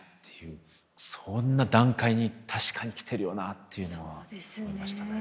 そんな段階に確かに来てるよなっていうのは思いましたね。